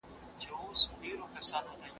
آس خپله بریا په خپلو سترګو ولیده.